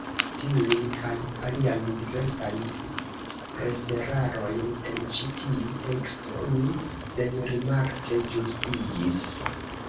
Tiujn, kaj aliajn diversajn preserarojn en ĉi tiu teksto, mi senrimarke ĝustigis.